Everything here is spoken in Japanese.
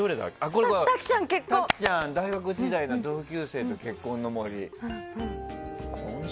滝ちゃん大学時代の同級生と結婚の森。